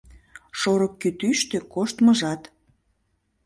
Шорык кӱтӱштӧ коштмыжат